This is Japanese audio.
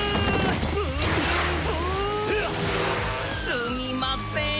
すみません。